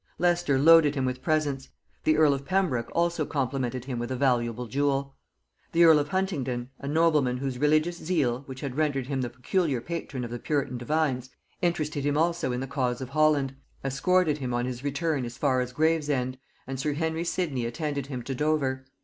Leicester loaded him with presents; the earl of Pembroke also complimented him with a valuable jewel. The earl of Huntingdon, a nobleman whose religious zeal, which had rendered him the peculiar patron of the puritan divines, interested him also in the cause of Holland, escorted him on his return as far as Gravesend; and sir Henry Sidney attended him to Dover.